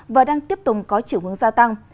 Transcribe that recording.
và đang tiếp tục có chiều hướng gia tăng